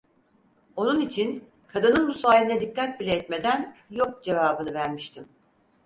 Onun için kadının bu sualine dikkat bile etmeden "yok!" cevabını vermiştim.